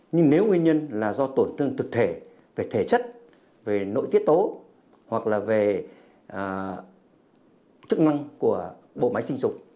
nhưng nếu nguyên nhân là do tổn thương thực thể về thể chất về nội tiết tố hoặc là về chức năng của bộ máy sinh dục